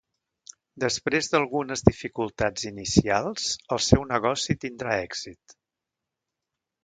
Després d'algunes dificultats inicials, el seu negoci tindrà èxit.